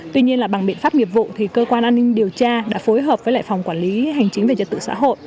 tuy nhiên là bằng biện pháp nghiệp vụ thì cơ quan an ninh điều tra đã phối hợp với lại phòng quản lý hành chính về trật tự xã hội